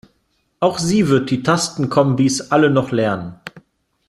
Auch sie wird die Tastenkombis alle noch lernen.